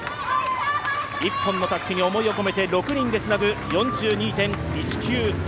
１本のたすきに思いを込めて６人でつなぐ４２．１９５